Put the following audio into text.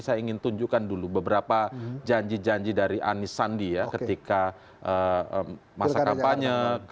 saya ingin tunjukkan dulu beberapa janji janji dari anis sandi ya ketika masa kampanye